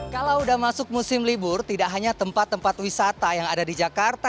kalau sudah masuk musim libur tidak hanya tempat tempat wisata yang ada di jakarta